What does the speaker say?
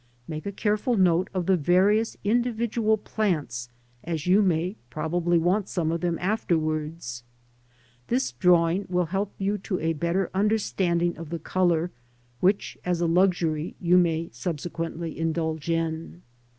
Make a careful note of the various individual plants, as you may probably want some of them afterwards. This drawing will help you to a better understanding of the colour, which, as a luxury, you may subsequently indulge in.